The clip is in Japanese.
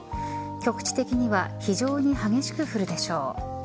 局地的には非常に激しく降るでしょう。